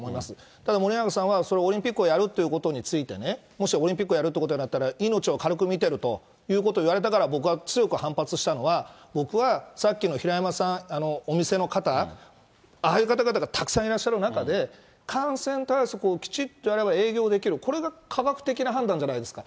ただ森永さんは、オリンピックをやるっていうことについてね、もしオリンピックをやるってことになったら、命を軽く見てるということを言われたから、僕は強く反発したのは、僕は、さっきの平山さん、お店の方、ああいう方々がたくさんいらっしゃる中で、感染対策をきちっとやれば営業できる、これが科学的な判断じゃないですか。